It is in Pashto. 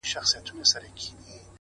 • ورسره به وي ټولۍ د شیطانانو,